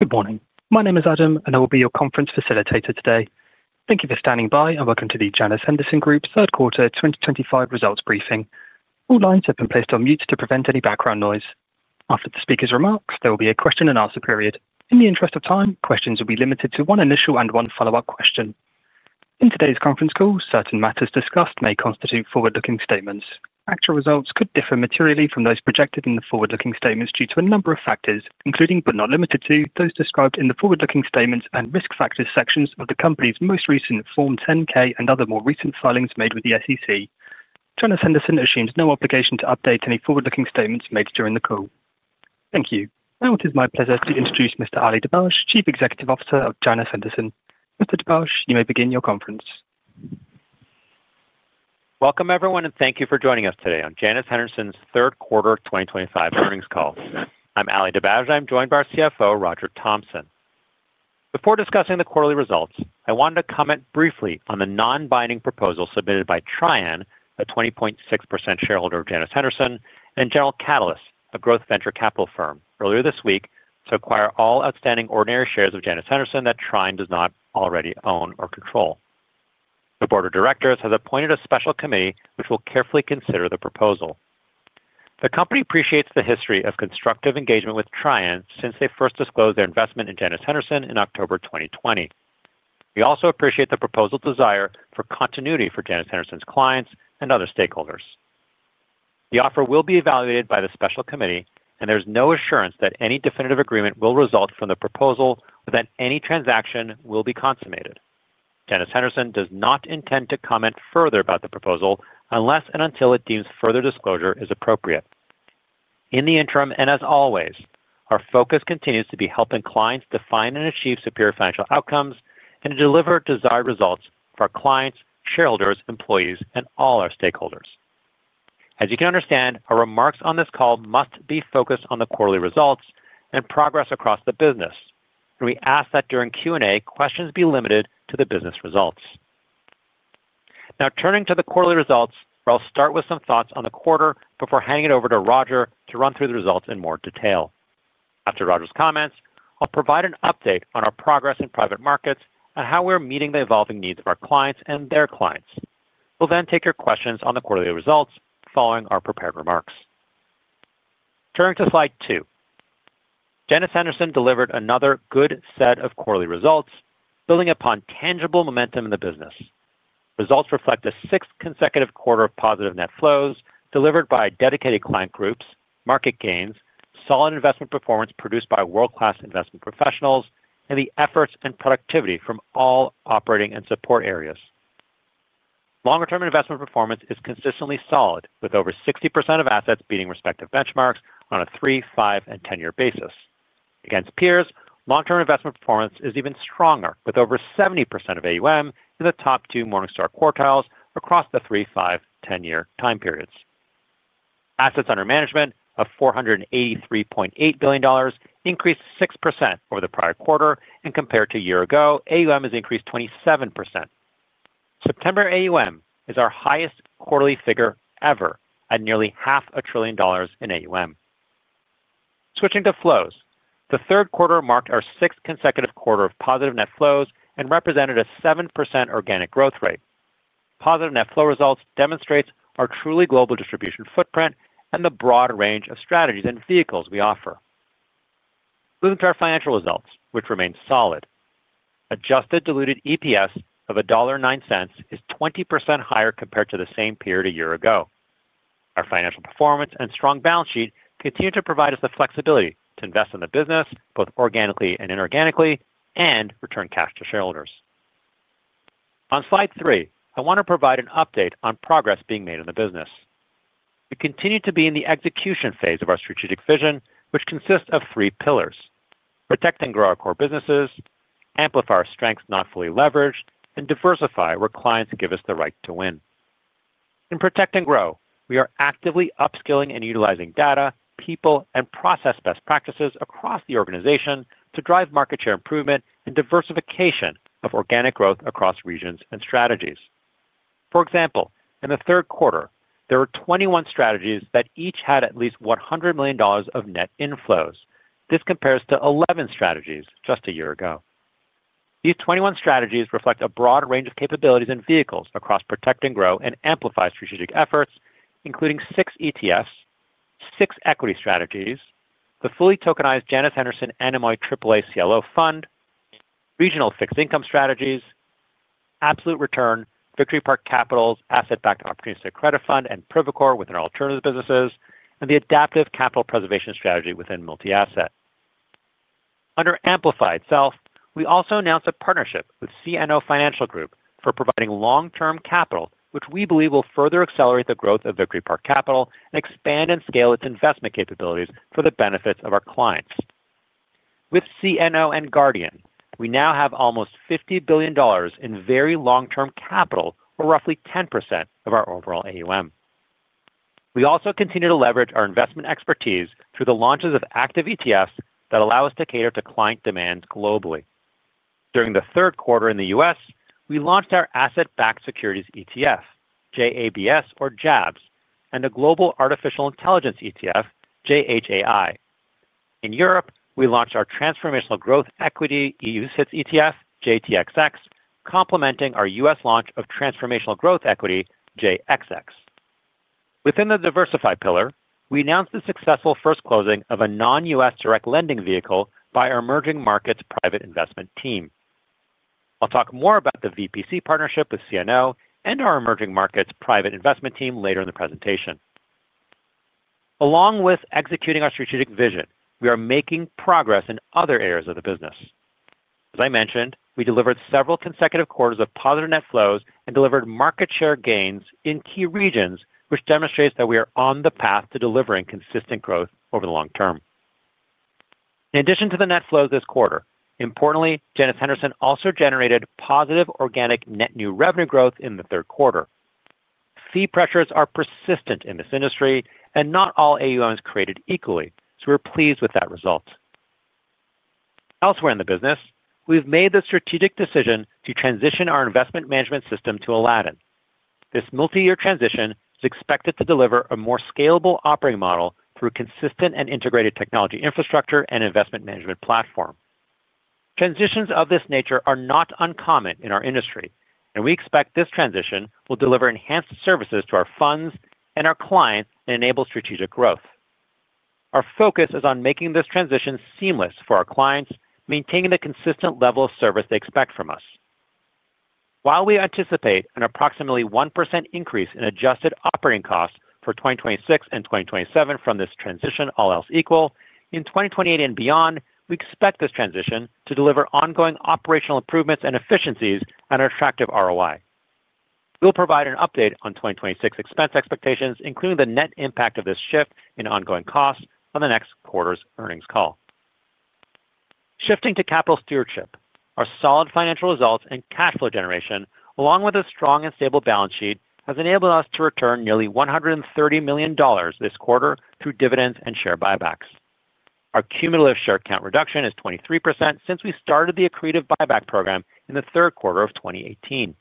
Good morning. My name is Adam and I will be your conference facilitator today. Thank you for standing by and welcome to the Janus Henderson Group third quarter 2025 results briefing. All lines have been placed on mute to prevent any background noise. After the speaker's remarks, there will be a question and answer period. In the interest of time, questions will be limited to one initial and one follow up question. In today's conference call, certain matters discussed may constitute forward looking statements. Actual results could differ materially from those projected in the forward looking statements due to a number of factors including but not limited to those described in the forward looking statements and factors sections of the company's most recent Form 10-K and other more recent filings made with the SEC. Janus Henderson assumes no obligation to update any forward looking statements made during the call. Thank you. Now it is my pleasure to introduce Mr. Ali Dibadj, Chief Executive Officer of Janus Henderson. Mr. Dibadj, you may begin your conference. Welcome everyone, and thank you for joining us today on Janus Henderson's third quarter 2025 earnings call. I'm Ali Dibadj and I'm joined by our CFO Roger Thompson. Before discussing the quarterly results, I wanted to comment briefly on the non-binding proposal submitted by Trian, a 20.6% shareholder of Janus Henderson, and General Catalyst, a growth venture capital firm, earlier this week to acquire all outstanding ordinary shares of Janus Henderson that Trian does not already own or control. The Board of Directors has appointed a special committee which will carefully consider the proposal. The company appreciates the history of constructive engagement with Trian since they first disclosed their investment in Janus Henderson in October 2020. We also appreciate the proposal's desire for continuity for Janus Henderson's clients and other stakeholders. The offer will be evaluated by the special committee and there's no assurance that any definitive agreement will result from the proposal or that any transaction will be consummated. Janus Henderson does not intend to comment further about the proposal unless and until it deems further disclosure is appropriate. In the interim, and as always, our focus continues to be helping clients define and achieve superior financial outcomes and to deliver desired results for our clients, shareholders, employees, and all our stakeholders. As you can understand, our remarks on this call must be focused on the quarterly results and progress across the business, and we ask that during Q&A questions be limited to the business results. Now, turning to the quarterly results, I'll start with some thoughts on the quarter before handing it over to Roger to run through the results in more detail. After Roger's comments, I'll provide an update on our progress in private markets and how we're meeting the evolving needs of our clients and their clients. We'll then take your questions on the quarterly results following our prepared remarks. Turning to Slide two, Janus Henderson delivered another good set of quarterly results, building upon tangible momentum in the business. Results reflect the sixth consecutive quarter of positive net flows delivered by dedicated client groups, market gains, solid investment performance produced by world-class investment professionals, and the efforts and productivity from all operating and support areas. Longer-term investment performance is consistently solid with over 60% of assets beating respective benchmarks on a 3, 5, and 10 year basis against peers. Long-term investment performance is even stronger with over 70% of AUM in the top two Morningstar quartiles. Across the three, five, and ten year time periods, assets under management of $483.8 billion increased 6% over the prior quarter, and compared to a year ago, AUM has increased 27%. September AUM is our highest quarterly figure ever at nearly half a trillion dollars in AUM. Switching to flows, the third quarter marked our sixth consecutive quarter of positive net flows and represented a 7% organic growth rate. Positive net flow results demonstrate our truly global distribution footprint and the broad range of strategies and vehicles we offer. Moving to our financial results, which remain solid, adjusted diluted EPS of $1.09 is 20% higher compared to the same period a year ago. Our financial performance and strong balance sheet continue to provide us the flexibility to invest in the business both organically and inorganically and return cash to shareholders. On slide three, I want to provide an update on progress being made in the business. We continue to be in the execution phase of our strategic vision, which consists of three: protect and grow our core businesses, amplify our strengths not fully leveraged, and diversify where clients give us the right to win. In protect and grow, we are actively upskilling and utilizing data, people, and process best practices across the organization to drive market share improvement and diversification of organic growth across regions and strategies. For example, in the third quarter there were 21 strategies that each had at least $100 million of net inflows. This compares to 11 strategies just a year ago. These 21 strategies reflect a broad range of capabilities and vehicles across protect and grow and amplify strategic efforts, including six ETFs, six equity strategies, the fully tokenized Janus Henderson [NMOA] AAA CLO Fund, regional fixed income strategies, absolute return, Victory Park Capital's asset-backed opportunistic Credit Fund and Privacore within our alternative businesses, and the Adaptive Capital Preservation Strategy within Multi Asset. Under amplify itself, we also announced a partnership with CNO Financial Group for providing long-term capital, which we believe will further accelerate the growth of Victory Park Capital and expand and scale its investment capabilities for the benefit of our clients. With CNO and Guardian, we now have almost $50 billion in very long-term capital, or roughly 10% of our overall AUM. We also continue to leverage our investment expertise through the launches of active ETFs that allow us to cater to client demands globally. During the third quarter in the U.S. We launched our asset-backed securities ETF JABS and a global Artificial Intelligence ETF JHAI. In Europe, we launched our Transformational Growth Equity EU CIT ETF JTXX, complementing our U.S. launch of Transformational Growth. Equity within the Diversified pillar, we announced the successful first closing of a non-U.S. direct lending vehicle by our Emerging Markets Private Investment team. I'll talk more about the VPC partnership with CNO and our Emerging markets private investment team later in the presentation. Along with executing our strategic vision, we are making progress in other areas of the business. As I mentioned, we delivered several consecutive quarters of positive net flows and delivered market share gains in key regions, which demonstrates that we are on the path to delivering consistent growth over the long term. In addition to the net flows this quarter, importantly, Janus Henderson also generated positive organic net new revenue growth in the third quarter. Fee pressures are persistent in this industry and not all AUM is created equally, so we're pleased with that result. Elsewhere in the business, we've made the strategic decision to transition our investment management system to Aladdin. This multi-year transition is expected to deliver a more scalable operating model through consistent and integrated technology, infrastructure, and investment management platform. Transitions of this nature are not uncommon in our industry, and we expect this transition will deliver enhanced services to our funds and our clients and enable strategic growth. Our focus is on making this transition significant and seamless for our clients, maintaining the consistent level of service they expect from us. While we anticipate an approximately 1% increase in adjusted operating costs for 2026 and 2027 from this transition, all else equal, in 2028 and beyond, we expect this transition to deliver ongoing operational improvements and efficiencies at our attractive ROI. We'll provide an update on 2026 expense expectations, including the net impact of this shift and ongoing costs, on the next quarter's earnings call. Shifting to Capital Stewardship, our solid financial results and cash flow generation, along with a strong and stable balance sheet, has enabled us to return nearly $130 million this quarter through dividends and share buybacks. Our cumulative share count reduction is 23% since we started the accretive buyback program in the third quarter of 2018.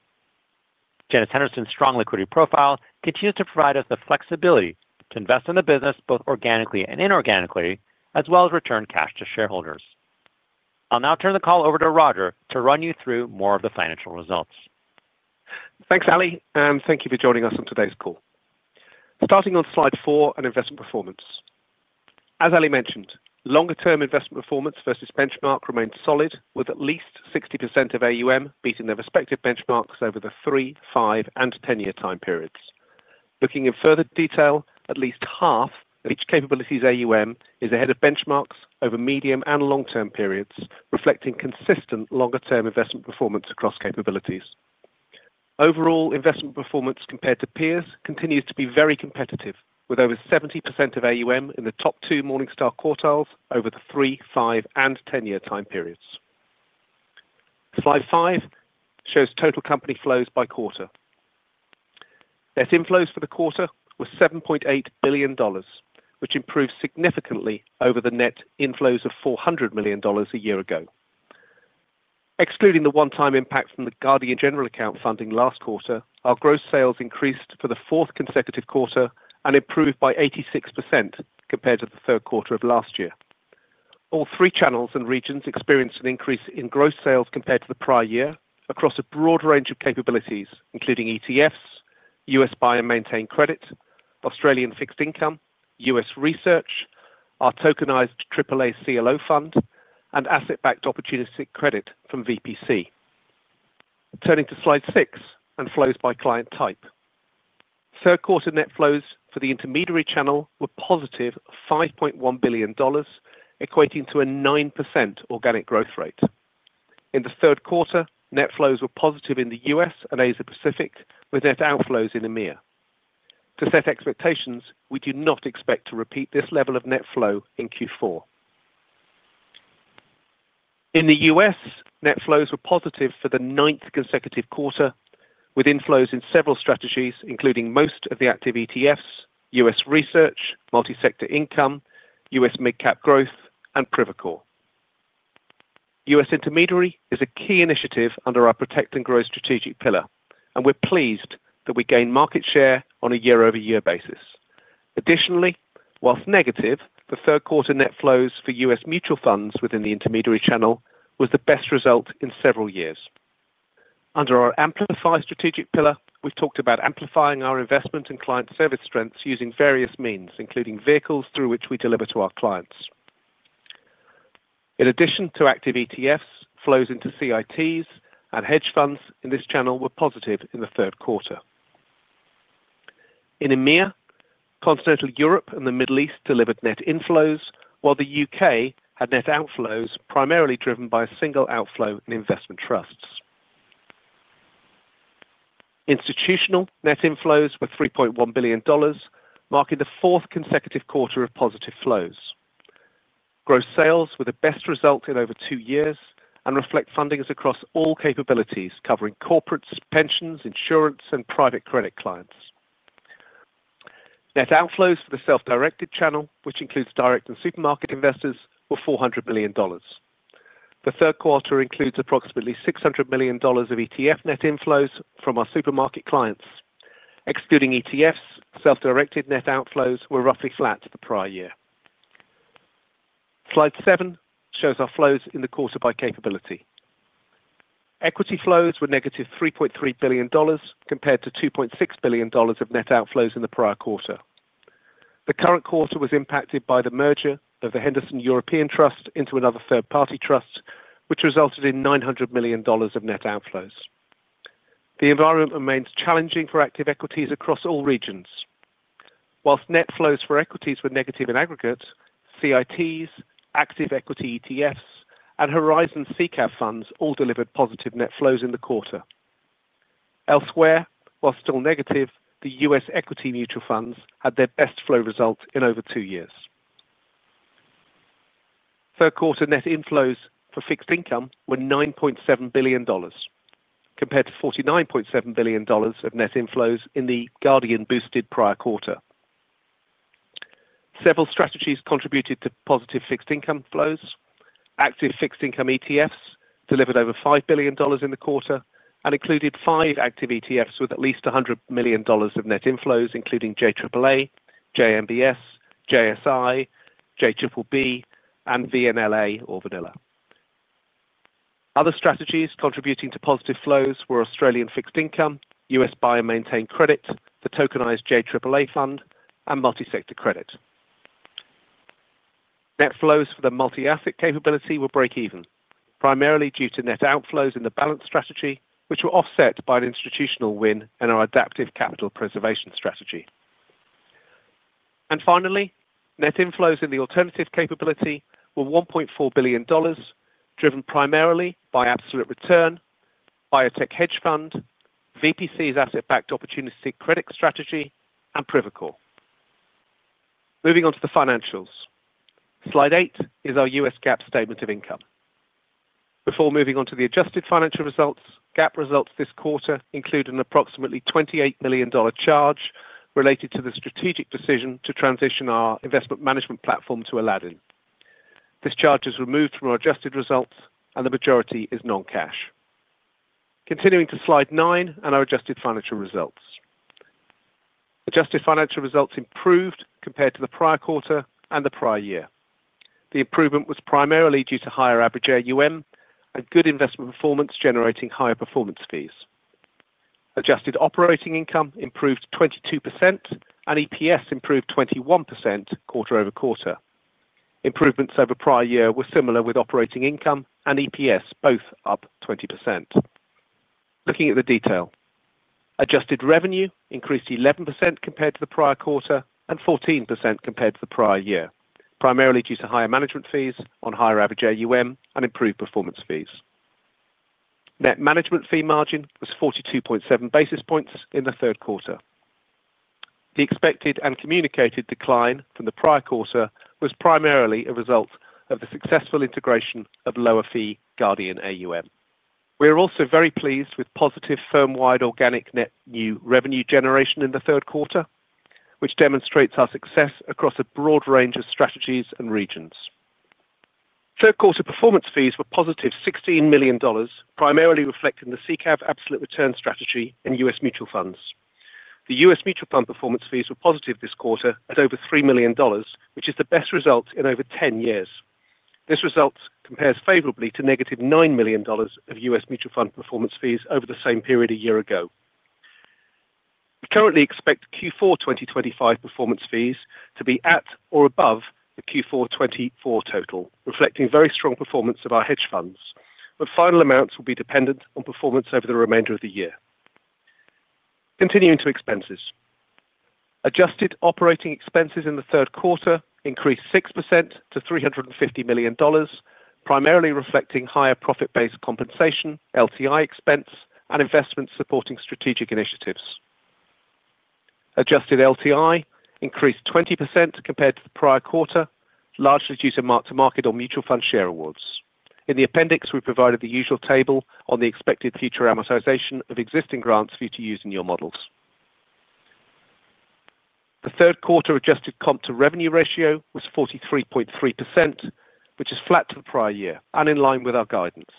Janus Henderson's strong liquidity profile continues to provide us the flexibility to invest in the business both organically and inorganically, as well as return cash to shareholders. I'll now turn the call over to Roger to run you through more of the financial results. Thanks Ali and thank you for joining us on today's call. Starting on slide four and investment performance, as Ali mentioned, longer term investment performance versus benchmark remains solid with at least 60% of AUM beating their respective benchmarks over the 3, 5, and 10 year time periods. Looking in further detail, at least half of each capability's AUM is ahead of benchmarks over medium and long term periods, reflecting consistent longer term investment performance across capabilities. Overall investment performance compared to peers continues to be very competitive with over 70% of AUM in the top two Morningstar quartiles over the 3, 5, and 10 year time periods. Slide five shows total company flows by quarter. Net inflows for the quarter were $7.8 billion, which improved significantly over the net inflows of $400 million a year ago. Excluding the one time impact from the Guardian General Account funding last quarter, our gross sales increased for the fourth consecutive quarter and improved by 86% compared to the third quarter of last year. All three channels and regions experienced an increase in gross sales compared to the prior year across a broad range of capabilities including ETFs, U.S. buy and maintain credit, Australian fixed income, U.S. research, our tokenized AAA CLO Fund, and asset-backed opportunistic credit from VPC. Turning to slide six and flows by client type, third quarter net flows for the intermediary channel were positive $5.1 billion, equating to a 9% organic growth rate. In the third quarter, net flows were positive in the U.S. and Asia Pacific with net outflows in EMEA. To set expectations, we do not expect to repeat this level of net flow in Q4. In the U.S., net flows were positive for the ninth consecutive quarter with inflows in several strategies including most of the Active ETFs, U.S. Research, Multi-Sector Income, U.S. Mid Cap Growth, and Privacore. U.S. Intermediary is a key initiative under our Protect and Grow strategic pillar and we're pleased that we gained market share on a year-over-year basis. Additionally, whilst negative, the third quarter net flows for U.S. Mutual funds within the intermediary channel was the best result in several years. Under our AMPLIFY strategic pillar, we've talked about amplifying our investment and client service strengths using various means including vehicles through which we deliver to our clients. In addition to active ETFs, flows into CITs and hedge funds in this channel were positive in the third quarter. In EMEA, Continental Europe, and the Middle East delivered net inflows while the U.K. had net outflows, primarily driven by a single outflow. In investment trusts, institutional net inflows were $3.1 billion, marking the fourth consecutive quarter of positive flows. Gross sales were the best result in over two years and reflect fundings across all capabilities covering corporates, pensions, insurance, and private credit clients. Net outflows for the self-directed channel, which includes direct and Supermarket investors, were $400 million. The third quarter includes approximately $600 million of ETF net inflows from our Supermarket clients. Excluding ETFs, self-directed net outflows were roughly flat to the prior year. Slide seven shows our flows in the quarter by capability. Equity flows were negative $3.3 billion compared to $2.6 billion of net outflows in the prior quarter. The current quarter was impacted by the merger of the Henderson European Trust into another third-party trust, which resulted in $900 million of net outflows. The environment remains challenging for active equities across all regions. Whilst net flows for equities were negative in aggregate, CITs, Active Equity ETFs, and Horizon CCAV funds all delivered positive net flows in the quarter. Elsewhere, while still negative, the U.S. equity mutual funds had their best flow result in over two years. Third quarter net inflows for fixed income were $9.7 billion compared to $49.7 billion of net inflows in the Guardian-boosted prior quarter. Several strategies contributed to positive fixed income flows. Active fixed income ETFs delivered over $5 billion in the quarter and included five active ETFs with at least $100 million of net inflows, including JAAA, JMBS, JSI, JBB, and VNLA. Other strategies contributing to positive flows were Australian Fixed Income, U.S. Buy and Maintain Credit, the tokenized JAA Fund, and Multi-Sector Credit. Net flows for the multi-asset capability were break even, primarily due to net outflows in the balance strategy, which were offset by an institutional win in our Adaptive Capital Preservation strategy. Finally, net inflows in the alternative capability were $1.4 billion, driven primarily by absolute return biotech hedge fund, VPC asset-backed opportunistic credit strategy, and Privacore. Moving on to the financials, slide eight is our U.S. GAAP statement of income before moving on to the adjusted financial results. GAAP results this quarter include an approximately $28 million charge related to the strategic decision to in our investment management platform to Aladdin. This charge is removed from our adjusted results, and the majority is non-cash. Continuing to Slide nine and our adjusted financial results, adjusted financial results improved compared to the prior quarter and the prior year. The improvement was primarily due to higher average AUM and good investment performance generating higher performance fees. Adjusted operating income improved 22%, and EPS improved 21% quarter-over-quarter. Improvements over prior year were similar, with operating income and EPS both up 20%. Looking at the detail, adjusted revenue increased 11% compared to the prior quarter and 14% compared to the prior year, primarily due to higher management fees on higher average AUM and improved performance fees. Net management fee margin was 42.7 basis points in the third quarter. The expected and communicated decline from the prior quarter was primarily a result of the successful integration of lower fee Guardian AUM. We are also very pleased with positive firm-wide organic net new revenue generation in the third quarter, which demonstrates our success across a broad range of strategies and regions. Third quarter performance fees were positive $16 million, primarily reflecting the CCAV absolute return strategy in U.S. mutual funds. The U.S. mutual fund performance fees were positive this quarter at over $3 million, which is the best result in over 10 years. This result compares favorably to -$9 million of U.S. mutual fund performance fees over the same period a year ago. We currently expect Q4 2025 performance fees to be at or above the Q4 2024 total, reflecting very strong performance of our hedge funds, but final amounts will be dependent on performance over the remainder of the year. Continuing to expenses, adjusted operating expenses in the third quarter increased 6% to $350 million, primarily reflecting higher profit-based compensation, LTI expense, and investments supporting strategic initiatives. Adjusted LTI increased 20% compared to the prior quarter, largely due to mark-to-market or mutual fund share awards. In the appendix, we provided the usual table on the expected future amortization of existing grants for you to use in your models. The third quarter adjusted comp to revenue ratio was 43.3%, which is flat to the prior year and in line with our guidance.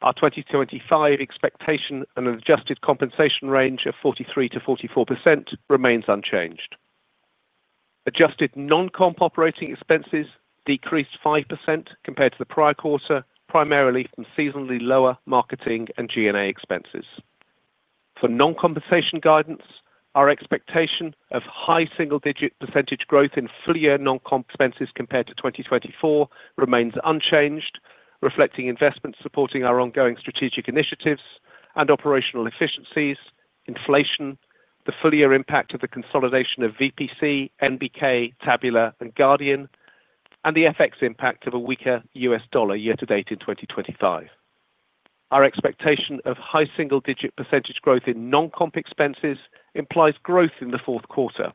Our 2025 expectation and an adjusted compensation range of 43%-44% remains unchanged. Adjusted non-comp operating expenses decreased 5% compared to the prior quarter, primarily from seasonally lower marketing and G&A expenses. For non-compensation guidance, our expectation of high single-digit % growth in full-year non-compensation compared to 2024 remains unchanged, reflecting investments supporting our ongoing strategic initiatives and operational efficiencies, inflation, the full-year impact of the consolidation of VPC, NBK, Tabula, and Guardian, and the FX impact of a weaker U.S. dollar year to date in 2025. Our expectation of high single-digit % growth in non-comp expenses implies growth in the fourth quarter.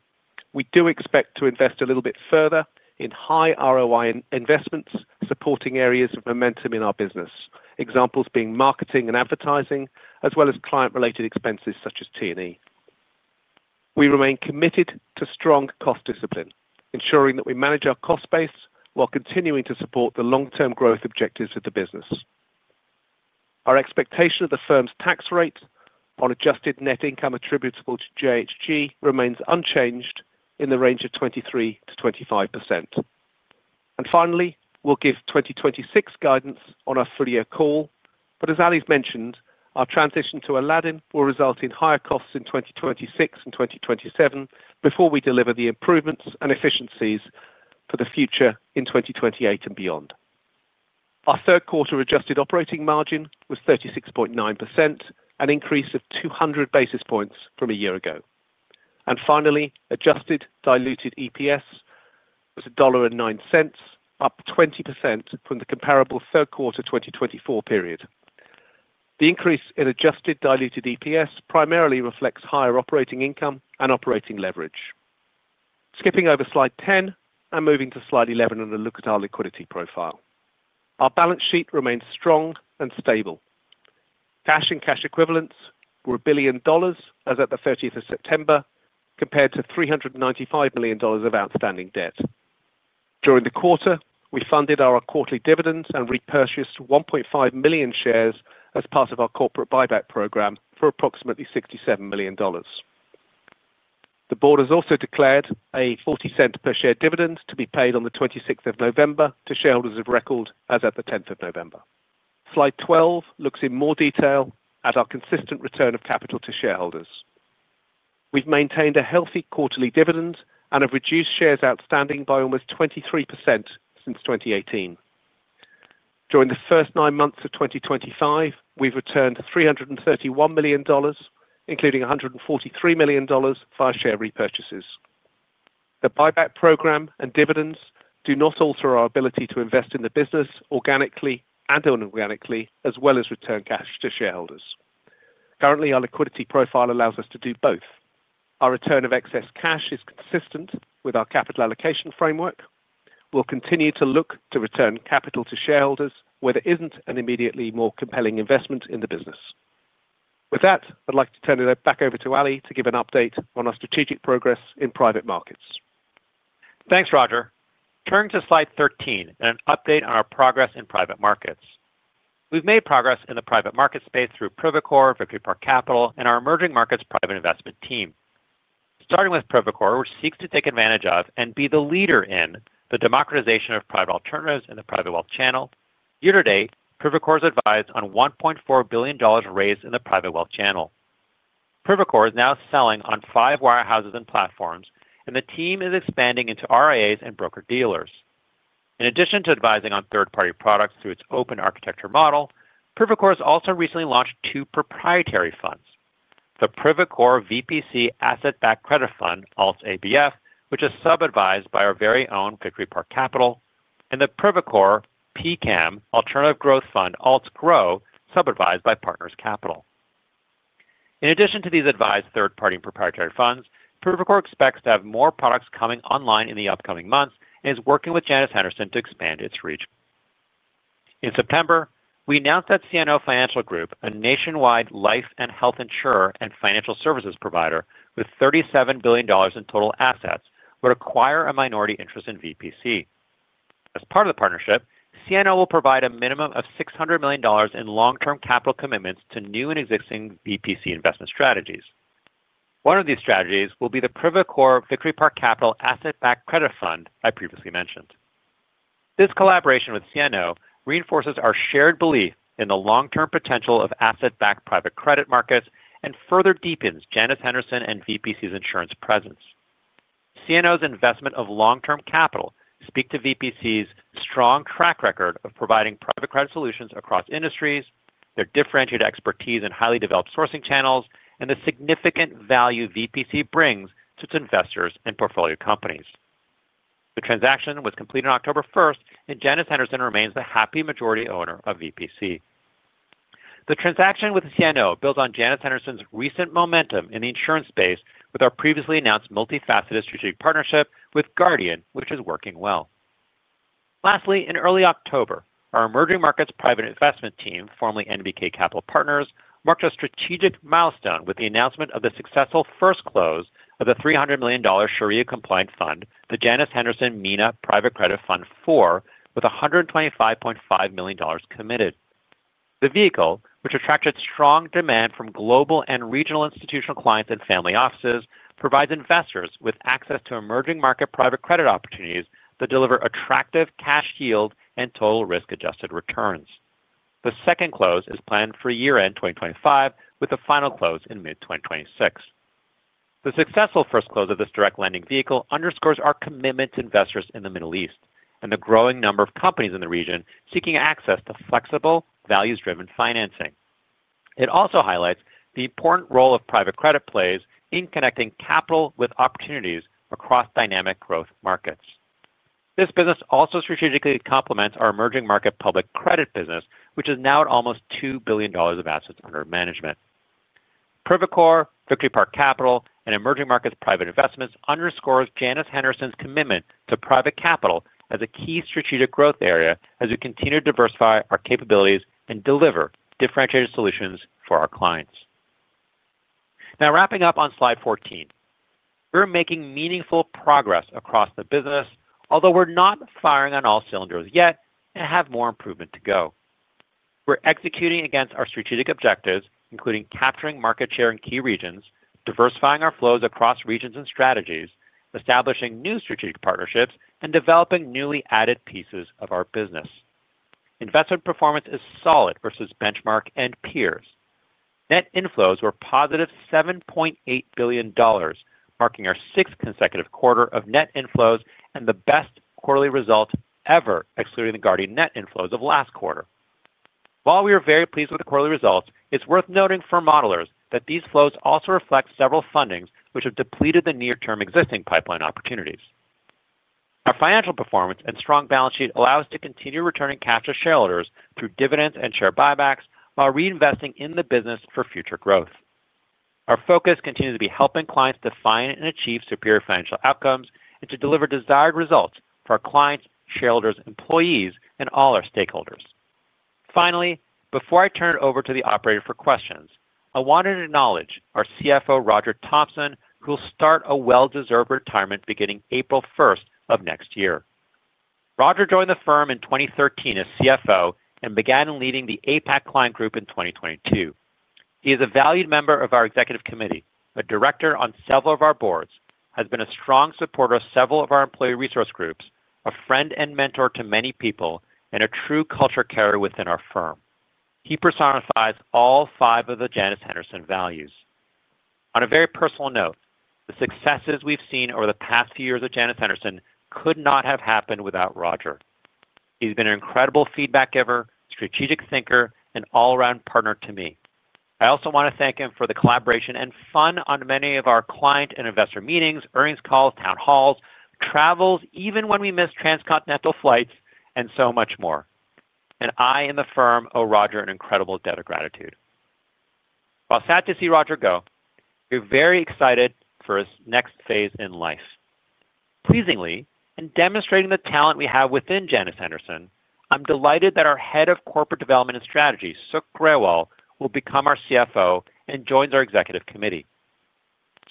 We do expect to invest a little bit further in high ROI investments supporting areas of momentum in our business, examples being marketing and advertising as well as client-related expenses such as T&E. We remain committed to strong cost discipline, ensuring that we manage our cost base while continuing to support the long-term growth objectives of the business. Our expectation of the firm's tax rate on adjusted net income attributable to JHG remains unchanged in the range of 23%-25%. Finally, we'll give 2026 guidance on our full-year call. As Ali Dibadj mentioned, our transition to Aladdin will result in higher costs in 2026 and 2027 before we deliver the improvements and efficiencies for the future. In 2028 and beyond, our third quarter adjusted operating margin was 36.9%, an increase of 200 basis points from a year ago. Finally, adjusted diluted EPS was $1.09, up 20% from the comparable third quarter 2024 period. The increase in adjusted diluted EPS primarily reflects higher operating income and operating leverage. Skipping over slide 10 and moving to slide 11 and a look at our liquidity profile, our balance sheet remains strong and stable. Cash and cash equivalents were $1 billion as at 30 September, compared to $395 million of outstanding debt. During the quarter, we funded our quarterly dividends and repurchased 1.5 million shares as part of our corporate buyback program for approximately $67 million. The board has also declared a $0.40 per share dividend to be paid on 26 November to shareholders of record as at 10 November. Slide 12 looks in more detail at our consistent return of capital to shareholders. We've maintained a healthy quarterly dividend and have reduced shares outstanding by almost 23% since 2018. During the first nine months of 2025, we've returned $331 million, including $143 million via share repurchases. The buyback program and dividends do not alter our ability to invest in the business organically and inorganically as well as return cash to shareholders. Currently, our liquidity profile allows us to do both. Our return of excess cash is consistent with our capital allocation framework. We'll continue to look to return capital to shareholders where there isn't an immediately more compelling investment in the business. With that, I'd like to turn it back over to Ali to give an update on our strategic progress in private markets. Thanks, Roger. Turning to Slide 13, an update on our progress in Private Markets. We've made progress in the private market space through Privacore, Victory Park Capital, and our emerging markets private investment team. Starting with Privacore, which seeks to take advantage of and be the leader in the democratization of private alternatives in the private wealth channel. Year to date, Privacore has advised on $1.4 billion raised in the private wealth channel. Privacore is now selling on five wirehouses and platforms, and the team is expanding into RIAs and broker dealers. In addition to advising on third-party products through its open architecture model, Privacore has also recently launched two proprietary funds: the Privacore VPC Asset Backed Credit Fund ALT ABF, which is sub-advised by our very own Victory Park Capital, and the Privacore P CAM Alternative Growth Fund ALTS GROW, sub-advised by Partners Capital. In addition to these advised third-party proprietary funds, Privacore expects to have more products coming online in the upcoming months and is working with Janus Henderson to expand its reach. In September, we announced that CNO Financial Group, a nationwide life and health insurer and financial services provider with $37 billion in total assets, would acquire a minority interest in VPC. As part of the partnership, CNO will provide a minimum of $600 million in long-term capital commitments to new and existing VPC investment strategies. One of these strategies will be the Privacore Victory Park Capital Asset Backed Credit Fund I previously mentioned. This collaboration with CNO reinforces our shared belief in the long-term potential of asset-backed private credit markets and further deepens Janus Henderson and VPC's insurance presence. CNO's investment of long-term capital speaks to VPC's strong track record of providing private credit solutions across industries, their differentiated expertise in highly developed sourcing channels, and the significant value VPC brings to its investors and portfolio companies. The transaction was completed October 1st, and Janus Henderson remains the happy majority owner of VPC. The transaction with CNO builds on Janus Henderson's recent momentum in the insurance space with our previously announced multifaceted strategic partnership with Guardian, which is working well. Lastly, in early October, our Emerging Markets Private Investment team, formerly NBK Capital Partners, marked a strategic milestone with the announcement of the successful first close of the $300 million Sharia-compliant fund, the Janus Henderson MENA Private Credit Fund 4, with $125.5 million committed. The vehicle, which attracted strong demand from global and regional institutional clients and family offices, provides investors with access to emerging market private credit opportunities that deliver attractive cash yield and total risk-adjusted returns. The second close is planned for year-end 2025, with a final close in mid-2026. The successful first close of this direct lending vehicle underscores our commitment to investors in the Middle East and the growing number of companies in the region seeking access to flexible, values-driven financing. It also highlights the important role private credit plays in connecting capital with opportunities across dynamic growth markets. This business also strategically complements our emerging market public credit business, which is now at almost $2 billion of assets under management. Privacore, Victory Park Capital, and Emerging Markets Private Investments underscore Janus Henderson's commitment to private capital as a key strategic growth area as we continue to diversify our capabilities and deliver differentiated solutions for our clients. Now wrapping up on slide 14, we're making meaningful progress across the business. Although we're not firing on all cylinders yet and have more improvement to go, we're executing against our strategic objectives, including capturing market share in key regions, diversifying our flows across regions and strategies, establishing new strategic partnerships, and developing newly added pieces of our business. Investment performance is solid versus benchmark and peers. Net inflows were +$7.8 billion, marking our sixth consecutive quarter of net inflows and the best quarterly result ever, excluding the Guardian net inflows of last quarter. While we are very pleased with the quarterly results, it's worth noting for modelers that these flows also reflect several fundings which have depleted the near-term existing pipeline opportunities. Our financial performance and strong balance sheet allow us to continue returning cash to shareholders through dividends and share buybacks while reinvesting in the business for future growth. Our focus continues to be helping clients define and achieve superior financial outcomes and to deliver desired results for our clients, shareholders, employees, and all our stakeholders. Finally, before I turn it over to the operator for questions, I wanted to acknowledge our CFO Roger Thompson, who will start a well-deserved retirement beginning April 1st, 2025. Roger joined the firm in 2013 as CFO and began leading the APAC client group in 2022. He is a valued member of our Executive Committee, a director on several of our boards, has been a strong supporter of several of our employee resource groups, a friend and mentor to many people, and a true culture carrier within our firm. He personifies all five of the Janus Henderson values. On a very personal note, the successes we've seen over the past few years at Janus Henderson could not have happened without Roger. He's been an incredible feedback giver, strategic thinker, and all-around partner to me. I also want to thank him for the collaboration and fun on many of our client and investor meetings, earnings calls, town halls, travels, even when we miss transcontinental flights, and so much more. I and the firm owe Roger an incredible debt of gratitude. While sad to see Roger go, we're very excited for his next phase in life. Pleasingly, in demonstrating the talent we have within Janus Henderson, I'm delighted that our Head of Corporate Development and Strategy, Suk Rawal, will become our CFO and joins our Executive Committee.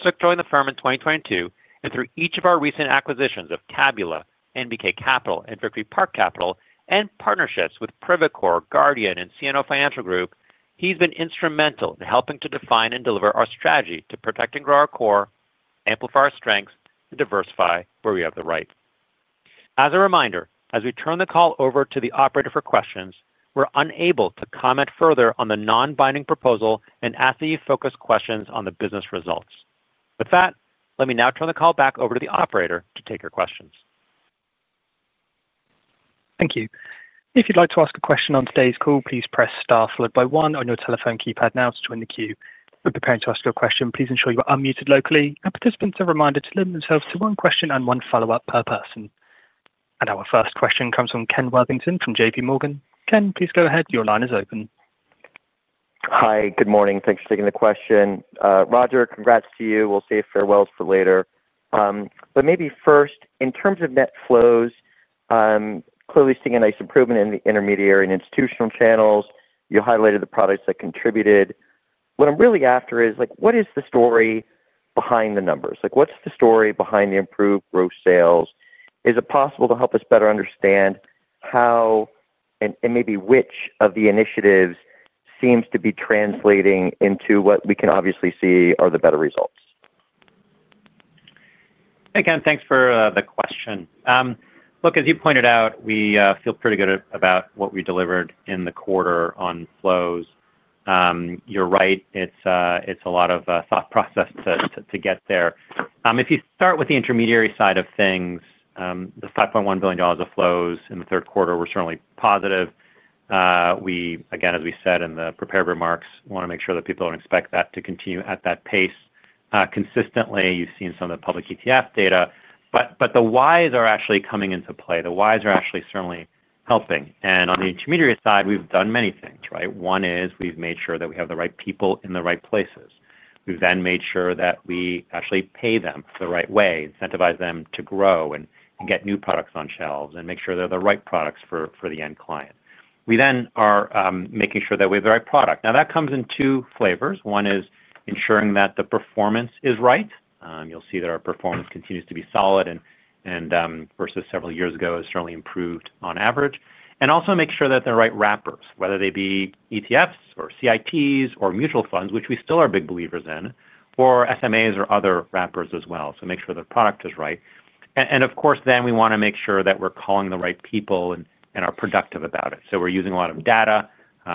Suk joined the firm in 2022, and through each of our recent acquisitions of Tabula, NBK Capital, and Victory Park Capital, and partnerships with Privacore, Guardian, and CNO Financial Group, he's been instrumental in helping to define and deliver our strategy to protect and grow our core, amplify our strengths, and diversify where we have the right. As a reminder, as we turn the call over to the operator for questions, we're unable to comment further on the non-binding proposal and ask that you focus questions on the business results. With that, let me now turn the call back over to the operator to take your questions. Thank you. If you'd like to ask a question on today's call, please press star followed by one on your telephone keypad. To join the queue when preparing to ask your question, please ensure you are unmuted locally. Participants are reminded to limit themselves to one question and one follow up per person. Our first question comes from Ken Worthington from JPMorgan. Ken, please go ahead. Your line is open. Hi, good morning. Thanks for taking the question. Roger, congrats to you we'll save farewells for later, but maybe first in terms of net flows, clearly seeing a nice improvement in the intermediary and institutional channels. You highlighted the products that contributed. What I'm really after is what is the story behind the numbers? Like what's the story behind the improved gross sales? Is it possible to help us better understand how and maybe which of the initiatives seems to be translating into what we can obviously see are the better results? Ken, thanks for the question. Look, as you pointed out, we feel pretty good about what we delivered in the quarter on flows. You're right, it's a lot of thought process to get there. If you start with the intermediary side of things, the $5.1 billion of flows in the third quarter were certainly positive. As we said in the prepared remarks, we want to make sure that people don't expect that to continue at that pace consistently. You've seen some of the public ETF data, but the whys are actually coming into play. The whys are actually certainly helping. On the intermediary side, we've done many things right. One is we've made sure that we have the right people in the right places. We've then made sure that we actually pay them the right way, incentivize them to grow and get new products on shelves and make sure they're the right products for the end client. We then are making sure that we have the right product. Now, that comes in two flavors. One is ensuring that the performance is right. You'll see that our performance continues to be solid, and versus several years ago it certainly improved on average. Also make sure that the right wrappers, whether they be ETFs or CIPs. Mutual funds, which we still are Big believers in SMAs or other wrappers as well. Make sure the product is right. Of course, we want to make sure that we're calling the right people and are productive about it. We're using a lot of data,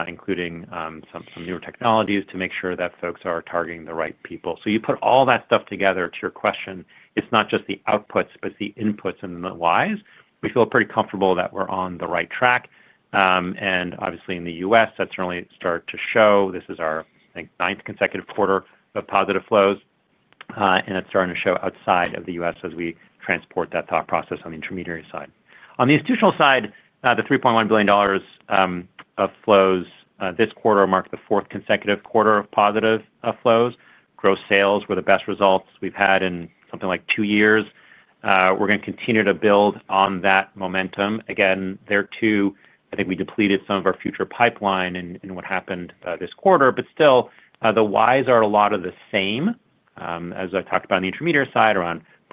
including some newer technologies, to make sure that folks are targeting the right people. You put all that stuff together to your question, it's not just the outputs, but the inputs and the whys. We feel pretty comfortable that we're on the right track. Obviously, in the U.S. that certainly starts to show. This is our ninth consecutive quarter of positive flows, and it's starting to show outside of the U.S. as we transport that thought process. On the intermediary side, on the institutional side, the $3.1 billion of flows this quarter marked the fourth consecutive quarter of positive flows. Gross sales were the best results we've had in something like two years. We're going to continue to build on that momentum again there too. I think we depleted some of our future pipeline in what happened this quarter, but still the whys are a lot of the same. As I talked about, the intermediary side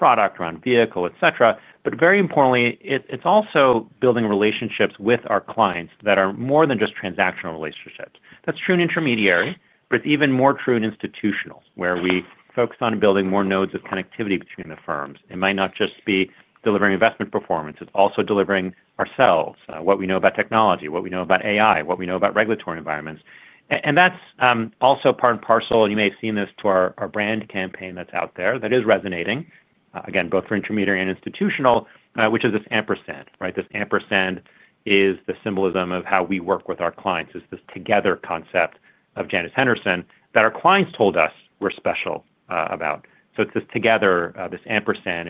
around product, around vehicle, etc. Very importantly, it's also building relationships with our clients that are more than just transactional relationships. That's true in intermediary, but even more true in institutional, where we focus on building more nodes of connectivity between the firms. It might not just be delivering investment performance, it's also delivering ourselves what. We know about technology. What we know about AI, what we know about regulatory environments. That's also part and parcel. You may have seen this to our brand campaign that's out there, that is resonating again both for intermediary and Institutional, which is this Ampersand, right? This Ampersand is the symbolism of how we work with our clients. It's this together concept of Janus Henderson that our clients told us we're special about. It's this together, this Ampersand.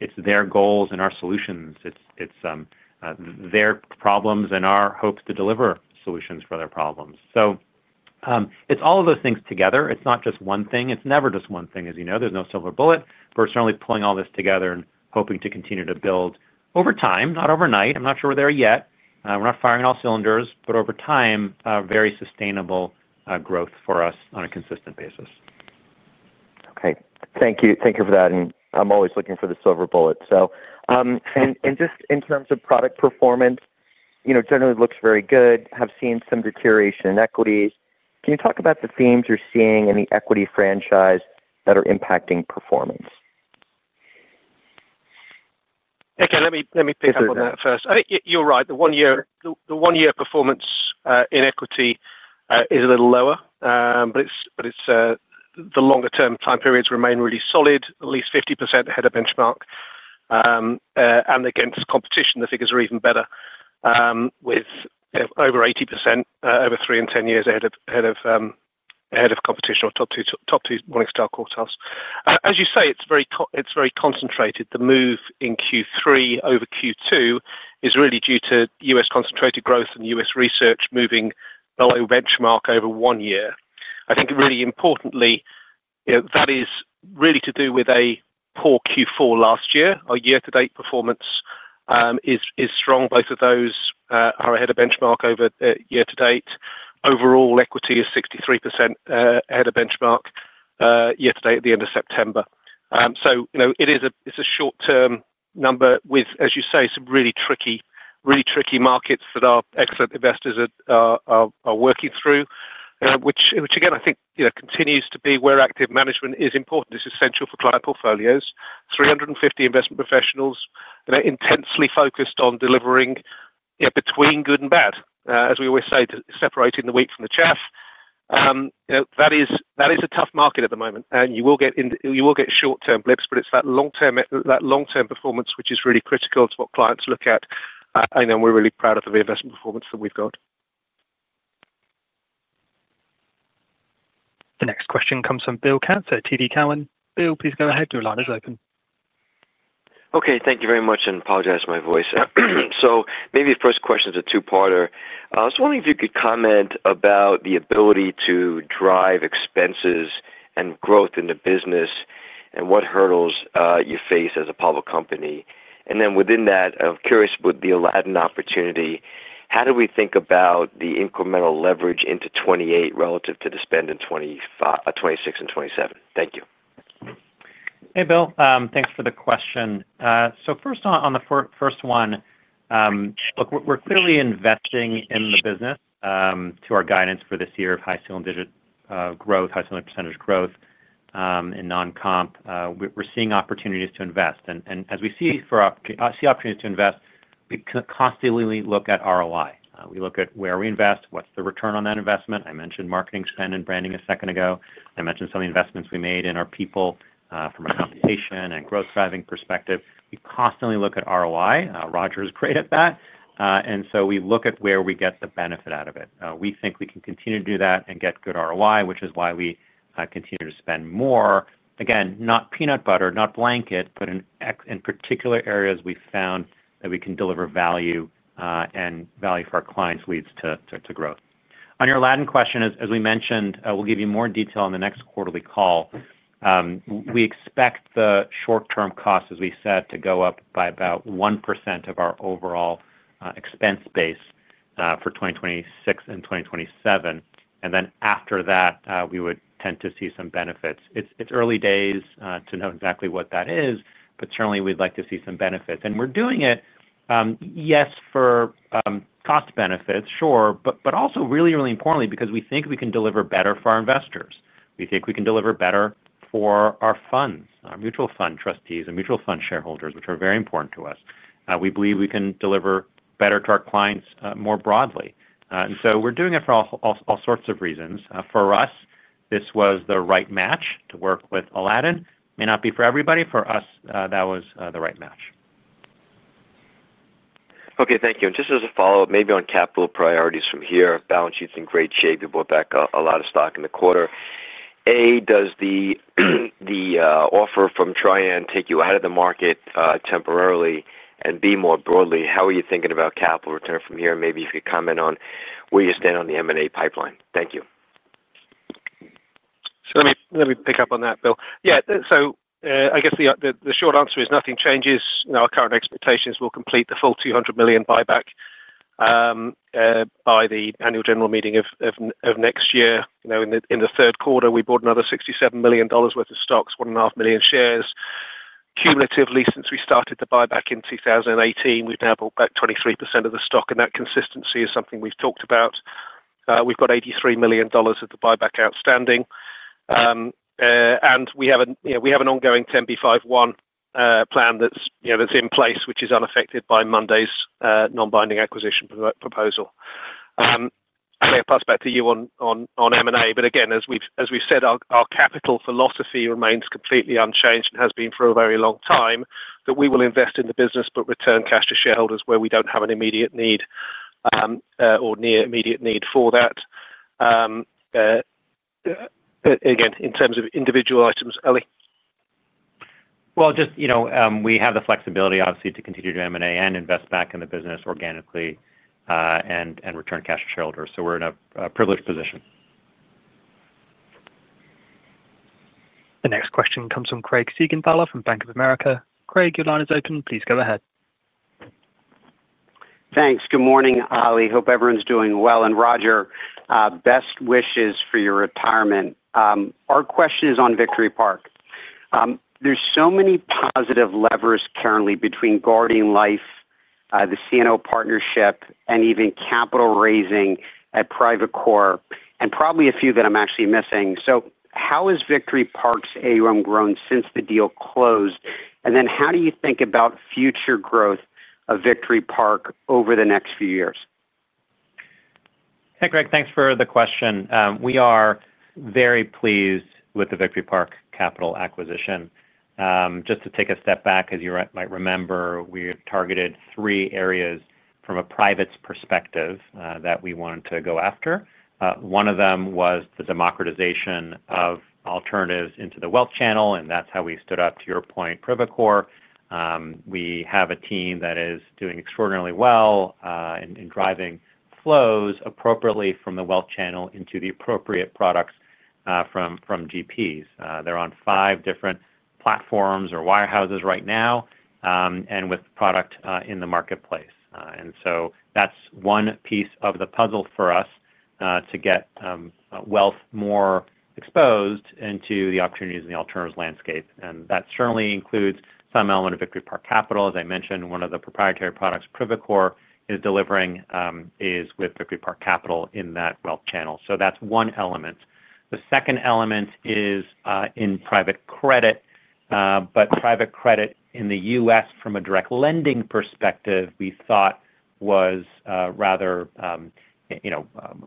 It's their goals and our solutions, it's their problems and our hopes to deliver solutions for their problems. It's all of those things together. It's not just one thing It's never just one thing as you know, there's no silver bullet, but certainly pulling all this together and hoping to continue to build over time, not overnight I'm not sure we're there yet. We're not firing on all cylinders, but over time, very sustainable growth for us on a consistent basis. Okay, thank you, thank you for that. I'm always looking for the silver bullet. Just in terms of product performance, you know, generally looks very good. Have seen some deterioration in equities. Can you talk about the themes you're seeing in the equity franchise that are impacting performance? Okay, let me pick up on that first. I think you're right. The one year performance in equity is a little lower, but the longer term time periods remain really solid. At least 50% ahead of benchmark, and against competition, the figures are even better with over 80% over three and 10 years ahead of competition or top two Morningstar quartiles. As you say, it's very concentrated. The move in Q3 over Q2 is really due to U.S. concentrated growth and U.S. research moving below benchmark over one year. I think really importantly, that is really to do with a poor Q4 last year. Our year to date performance is strong. Both of those are ahead of benchmark over year to date. Overall equity is 63% ahead of benchmark yesterday at the end of September. It is a short term number with, as you say, some really tricky, really tricky markets that our excellent investors are working through, which again I think continues to be where active management is important. It's essential for client portfolios. 350 investment professionals intensely focused on delivering between good and bad. As we always say, separating the wheat from the chaff. That is a tough market at the moment and you will get short term blips, but it's that long term performance which is really critical to what clients look at. We're really proud of the reinvestment performance that we've got. The next question comes from Bill Katz at TD Cowen. Bill, please go ahead. Your line is open. Okay, thank you very much and apologize for my voice. Maybe the first question is a two-partner. I was wondering if you could comment about the ability to drive expenses and growth in the business and what hurdles you face as a public company. Within that, I'm curious, with the Aladdin opportunity, how do we think about the incremental leverage into 2028 relative to the spend in 2026 and 2027? Thank you. Hey, Bill, thanks for the question. First, on the first one, look, we're clearly investing in the business. To our guidance for this year of high single-digit growth, high single-digit % growth in non-comp, we're seeing opportunities to invest. As we see opportunities to invest, we constantly look at ROI. We look at where we invest. What's the return on that investment? I mentioned marketing spend and branding a second ago. I mentioned some of the investments we made in our people from a compensation and growth-driving perspective. We constantly look at ROI. Roger is great at that. We look at where we get the benefit out of it. We think we can continue to do that and get good ROI, which is why we continue to spend more. Again, not peanut butter, not blanket, but in particular areas we found that we can deliver value, and value for our clients leads to growth. On your Aladdin question, as we mentioned, we'll give you more detail on the next quarterly call. We expect the short-term costs, as we said, to go up by about 1% of our overall expense base for 2026 and 2027. After that, we would tend to see some benefits. It's early days to know exactly what that is, but certainly we'd like to see some benefits. We're doing it, yes, for cost benefits, sure, but also really, really importantly because we think we can deliver better for our investors. We think we can deliver better for our funds, our mutual fund trustees, and mutual fund shareholders, which are very important to us. We believe we can deliver better to our clients more broadly. We are doing it for all sorts of reasons. For us, this was the right match to work with Aladdin may not be for everybody. For us, that was the right match. Okay, thank you. Just as a follow-up, maybe on capital priorities from here. Balance sheet's in great shape. You bought back a lot of stock in the quarter. Does the offer from Trian take you out of the market temporarily, and more broadly, how are you thinking about capital return from here? Maybe if you could comment on where you stand on the M&A pipeline. Thank you. Let me pick up on that, Bill. I guess the short answer is nothing changes our current expectations. We'll complete the full $200 million buyback by the annual general meeting of next year. In the third quarter, we bought another $67 million worth of stock, 1.5 million shares cumulatively since we started the buyback in 2018. We've now bought back 23% of the stock, and that consistency is something we've talked about. We've got $83 million of the buyback outstanding, and we have an ongoing 10b5-1 plan that's in place, which is unaffected by Monday's non-binding acquisition proposal. I may pass back to you on M&A, but again, as we've said, our capital philosophy remains completely unchanged and has been for a very long time. We invest in the business but return cash to shareholders where we don't have an immediate need or near immediate need for that. Again, in terms of individual items. Ali? We have the flexibility obviously to continue to M&A and invest back in the business organically and return cash to shareholders. We're in a privileged position. The next question comes from Craig Siegenthaler from Bank of America. Craig, your line is open. Please go ahead. Thanks. Good morning, Ali. Hope everyone's doing well. Roger, best wishes for your retirement. Our question is on Victory Park. There are so many positive levers currently between Guardian, the CNO Partnership, and even capital raising at Privacore, and probably a few that I'm actually missing. How has Victory Park's AUM grown since the deal closed? How do you think about future growth of Victory Park over the next few years? Hey Craig, thanks for the question. We are very pleased with the Victory Park Capital acquisition. Just to take a step back, as you might remember, we targeted three areas from a private's perspective that we wanted to go after. One of them was the democratization of alternatives into the Wealth Channel and that's how we stood up. To your point, Privacore, we have a team that is doing extraordinarily well in driving flows appropriately from the Wealth Channel into the appropriate products from GPs. They're on five different platforms or wirehouses right now, and with product in the marketplace. That is one piece of the puzzle for us to get wealth more exposed into the opportunities in the alternatives landscape. That certainly includes some element of Victory Park Capital. As I mentioned, one of the proprietary products Privacore is delivering is with Victory Park Capital in that Wealth Channel. That is one element. The second element is in private credit. Private credit in the U.S. from a direct lending perspective we thought was rather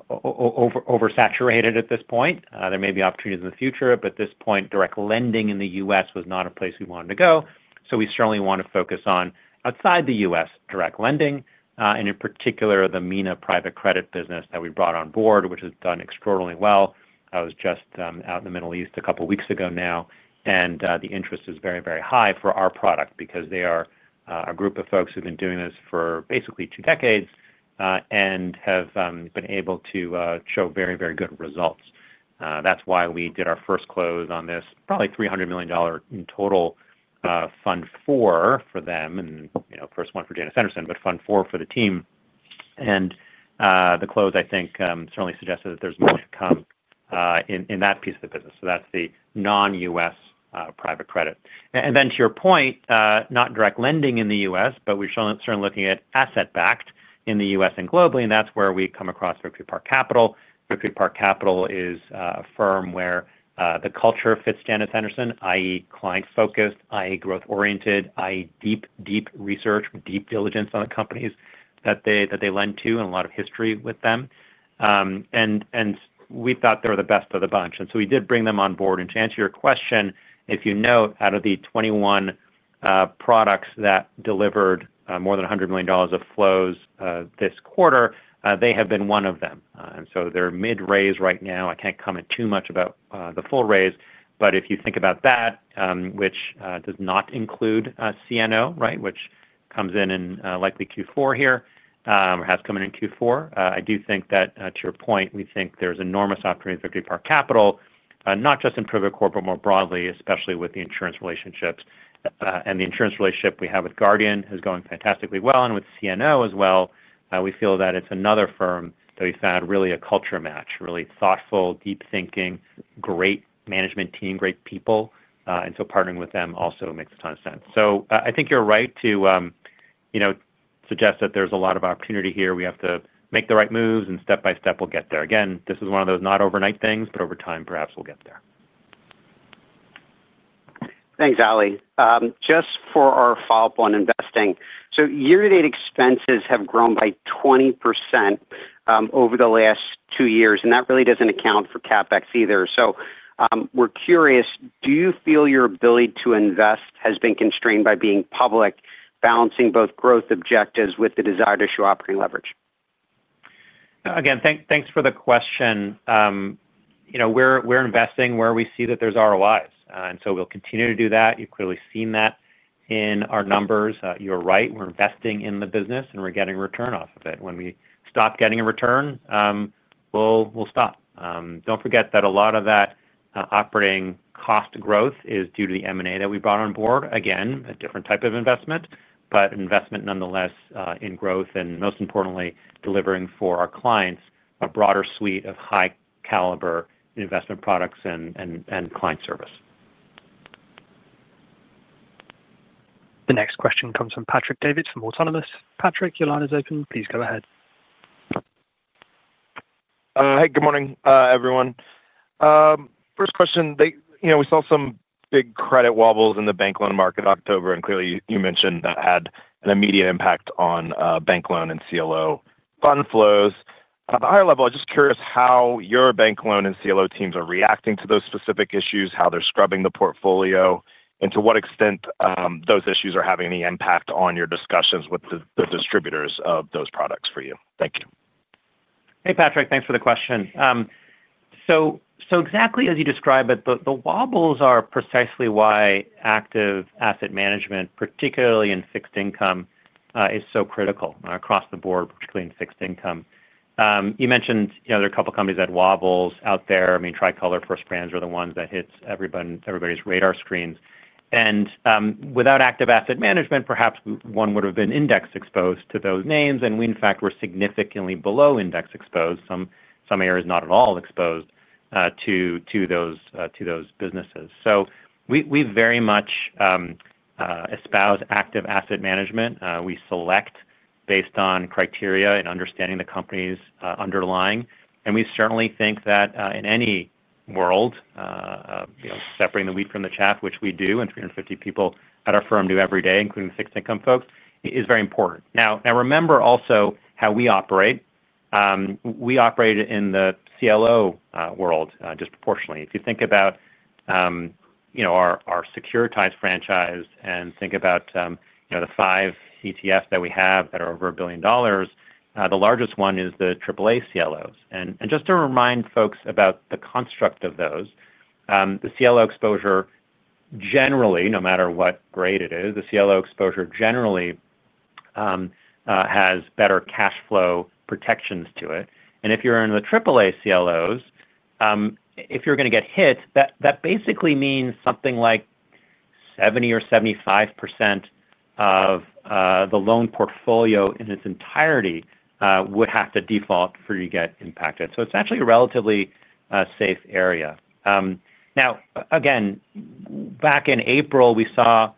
oversaturated at this point. There may be opportunities in the future, but at this point direct lending in the U.S. was not a place we wanted to go. We certainly want to focus on outside the U.S. direct lending and in particular the MENA private credit business that we brought on board, which has done extraordinarily well. I was just out in the Middle East a couple weeks ago now, and the interest is very, very high for our product because they are a group of folks who've been doing this for basically two decades and have been able to show very, very good results. That's why we did our first close this. Probably $300 million in total for MENA Private Credit Fund 4 for them and first one for Janus Henderson. Fund 4 for the team, and the close I think certainly suggested that there's more to come in that piece of the business. That's the non-U.S. private credit. To your point, not direct lending in the U.S., but we certainly are looking at asset-backed in the U.S. and globally. That's where we come across Victory Park Capital. Victory Park Capital is a firm where the culture fits Janus Henderson, that is client focused, that is growth oriented, that is deep, deep research, deep diligence on the companies that they lend to a lot of history with them we thought they were the best of the bunch, so we did bring them on board. To answer your question, if you note out of the 21 products that delivered more than $100 million of flows this quarter, they have been one of them. They're mid-raise right now. I can't comment too much about the full raise, but if you think about that, which does not include CNO, which comes in likely in Q4 here or has come in in Q4, I do think that to your point, we think there's enormous opportunity for Victory Park Capital not just in Privacore but more broadly, especially with the insurance relationships. The insurance relationship we have with Guardian is going fantastically well and with CNO as well. We feel that it's another firm that we found really a culture match, really thoughtful, deep thinking, great management team, great people. Partnering with them also makes a ton of sense. I think you're right to suggest that there's a lot of opportunity here. We have to make the right moves and step by step we'll get there. This is one of those not overnight things, but over time perhaps we'll get there. Thanks, Ali. Just for our follow-up on investing, year to date expenses have grown by 20% over the last two years, and that really doesn't account for CapEx either. We're curious, do you feel your ability to invest has been constrained by being public, balancing both growth objectives with the desire to show operating leverage? Again, thanks for the question. You know, we're investing where we see that there's ROI, and so we'll continue to do that. You've clearly seen that in our numbers. You're right. We're investing in the business and we're getting return off of it. When we stop getting a return, we stop. Don't forget that a lot of that operating cost growth is due to the M&A that we brought on board. Again, a different type of investment, but investment nonetheless in growth and, most importantly, delivering for our clients a broader suite of high-caliber investment products and client service. The next question comes from Patrick Davitt from Autonomous. Patrick, your line is open. Please go ahead. Hey, good morning everyone. First question we saw some big credit wobbles in the bank loan market in October, and clearly you mentioned that had an immediate impact on bank loan and CLO fund flows. At the higher level I was just curious how your bank loan and CLO teams are reacting to those specific issues, how they're scrubbing the portfolio, and to what extent those issues are having any impact on your discussions with the distributors of those products for you. Thank you. Hey Patrick, thanks for the question. Exactly as you describe it, the wobbles are precisely why active asset management, particularly in fixed income, is so critical across the board, particularly in fixed income. You mentioned there are a couple of companies that wobbles out there. I mean Tricolor First Brands are the ones that hit everybody's radar screens. Without active asset management, perhaps one would have been index exposed to those names and we in fact were significantly below index exposed. Some areas not at all exposed to those businesses. We very much espouse active asset management. We select based on criteria and understanding the company's underlying. We certainly think that in any world separating the wheat from the chaff, which we do, and 350 people at our firm do every day, including fixed income folks, is very important. Now remember also how we operate, we operate in the CLO world disproportionately. If you think about our securitized franchise and think about the five ETFs that we have that are over $1 billion, the largest one is the AAA CLOs. Just to remind folks about the construct of those, the CLO exposure generally, no matter what grade it is, the CLO exposure generally has better cash flow protections to it. If you're in the AAA CLOs, if you're going to get hit, that basically means something like 70% or 75% of the loan portfolio in its entirety would have to default before you get impacted. It's actually a relatively safe area. Now again, back in April we saw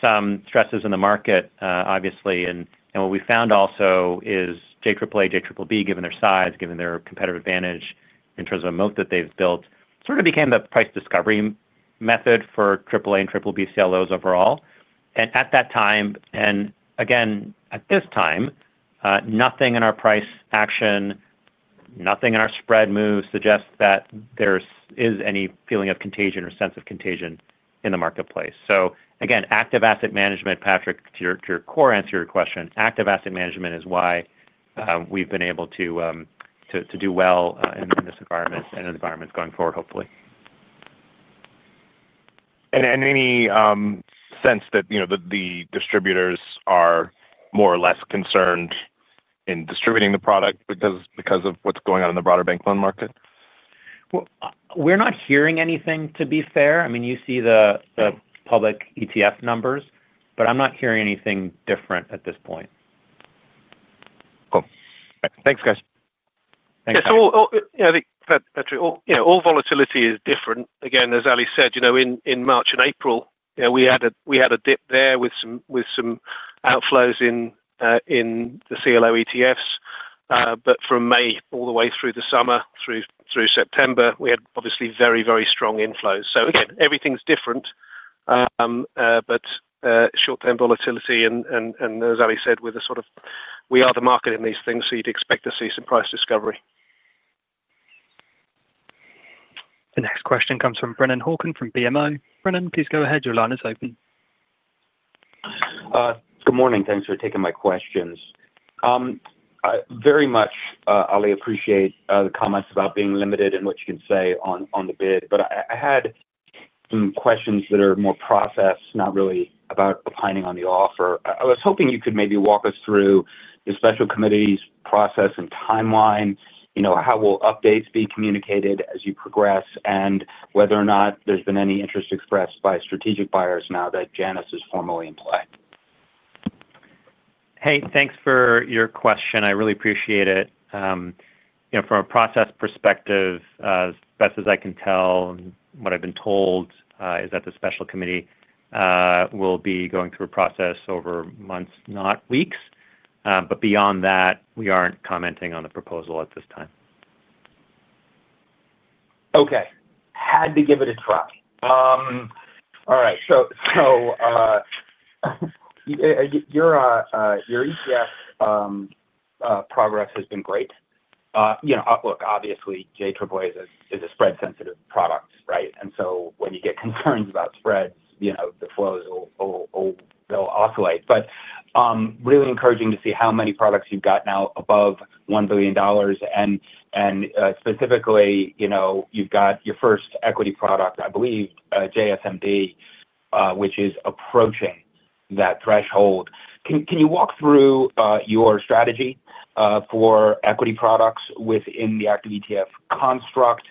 some stresses in the market obviously. What we found also is JAAA, JBB, given their size, given their competitive advantage in terms of moat that they've built, sort of became the price discovery method for AAA and BBB CLOs overall. At that time, and again at this time, nothing in our price action, nothing in our spread moves suggests that there is any feeling of contagion or sense of contagion in the marketplace. Again, active asset management. Patrick, to your core, answer your question. Active asset management is why we've been able to do well in this environment and environments going forward, hopefully. there any sense that the distributors are more or less concerned in distributing the product because of what's going on in the broader bank loan market? We're not hearing anything to be fair. I mean, you see the public ETF numbers, but I'm not hearing anything different at this point. Cool. Thanks, guys. All volatility is different again, as Ali said, in March and April we had a dip there with some outflows in the CLO ETFs, but from May all the way through the summer through September, we had obviously very, very strong inflows. Everything's different, but short term volatility, and as Ali said, we are the market in these things. You'd expect to see some price discovery. The next question comes from Brennan Hawken from BMO. Brennan, please go ahead. Your line is open. Good morning. Thanks for taking my questions very much, Ali. Appreciate the comments about being limited in what you can say on the bid, but I had some questions that are more process, not really about opining on the offer. I was hoping you could maybe walk us through the special committee's process and timeline. You know, how will updates be communicated as you progress, and whether or not there's been any interest expressed by strategic buyers now that Janus is formally in play. Hey, thanks for your question. I really appreciate it. From a process perspective, as best as I can tell, what I've been told is that the special committee will be going through a process over months, not weeks. Beyond that, we aren't commenting on the proposal at this time. Okay. Had to give it a try. All right your ETF progress has been great. You know, look, obviously JAAA is a spread sensitive product, right? When you get concerns about spreads, the flows, they'll oscillate. It is really encouraging to see how many products you've got now above $1 billion. Specifically, you've got your first equity product, I believe, JSMD, which is approaching that threshold. Can you walk through your strategy for equity products within the active ETF construct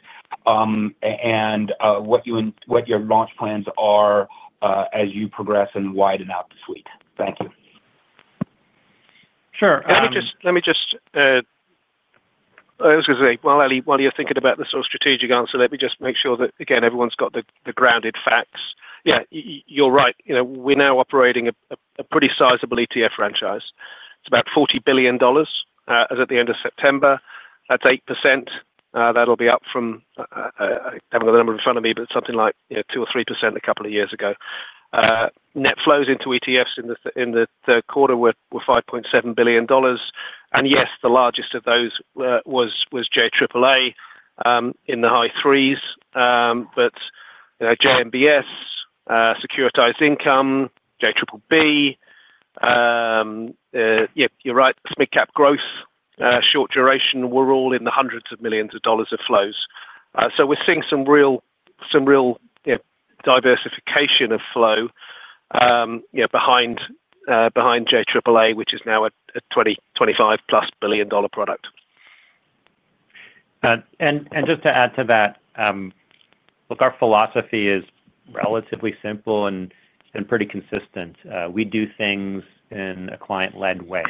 and what your launch plans are as you progress and widen out the suite? Thank you. Sure. Let me just make sure that again, everyone's got the grounded facts. Yeah, you're right. You know, we're now operating a pretty sizable ETF franchise. It's about $40 billion as at the end of September. That's 8%. That'll be up from the number in front of me, but something like 2% or 3% a couple of years ago. Net flows into ETFs in the third quarter were $5.7 billion. Yes, the largest of those was JAAA in the high threes. JMBS, securitized income, JBB, yeah, you're right, SMICAP growth, short duration were all in the hundreds of millions of dollars of flows. We're seeing some real, some real diversification of flow behind JAAA, which is now a $20, $25+ billion product. Just to add to that, look, our philosophy is relatively simple and pretty consistent. We do things in a client-led way.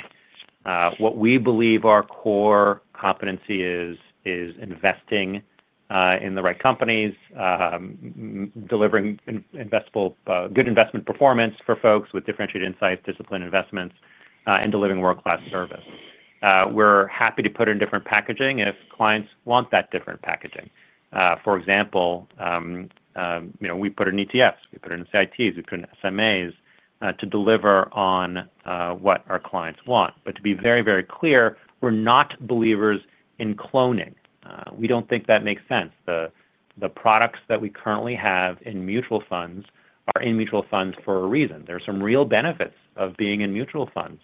What we believe our core competency is, is investing in the right companies, delivering good investment performance for folks with differentiated insights, disciplined investments, and delivering world-class service. We're happy to put in different packaging if clients want that. Different packaging, for example, you know, we put in ETFs, we put in CITs SMAs to deliver on what our clients want. To be very, very clear, we're not believers in cloning. We don't think that makes sense. The products that we currently have in mutual funds are in mutual funds for a reason. There are some real benefits of being in mutual funds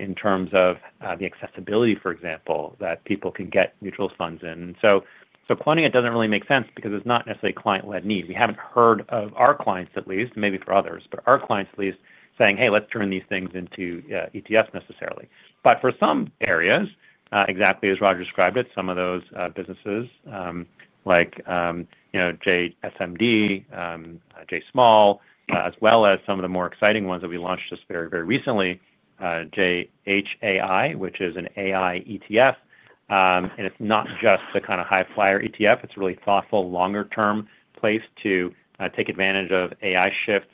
in terms of the accessibility, for example, that people can get mutual funds in. Cloning it doesn't really make sense because it's not necessarily a client-led need. We haven't heard of our clients, at least maybe for others, but our clients at least, saying hey, let's turn these things into ETFs necessarily. For some areas, exactly as Roger described it, some of those businesses like, you know, JSMD, J Small, as well as some of the more exciting ones that we launched just very, very recently, JHAI, which is an AI ETF, and it's not just the kind of high flyer ETF, it's really thoughtful, longer-term place to take advantage of AI shifts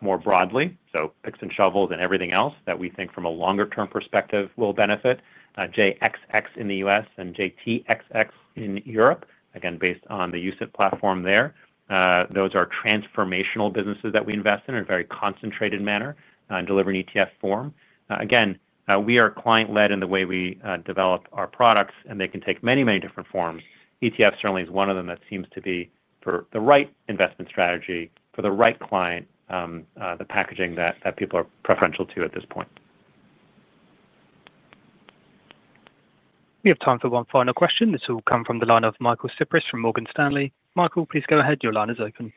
more broadly. Picks and shovels and everything else that we think from a longer-term perspective will benefit JXX in the U.S. and JTXX in Europe, again based on the use of platform there. Those are transformational businesses that we invest in a very concentrated manner and deliver in ETF form. Again, we are client-led in the way we develop our products, and they can take many, many different forms. ETF certainly is one of them. That seems to be the right investment strategy for the right client, the packaging that people are preferential to at this point. We have time for one final question. This will come from the line of Michael Cyprys from Morgan Stanley. Michael, please go ahead. Your line is open.